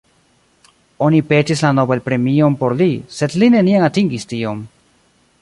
Oni petis la Nobelpremion por li, sed li neniam atingis tion.